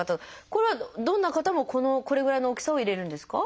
これはどんな方もこれぐらいの大きさを入れるんですか？